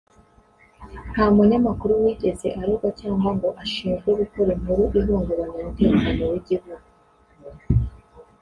nta munyamakuru wigeze aregwa cyangwa ngo ashinjwe gukora inkuru ihungabanya umutekano w’igihugu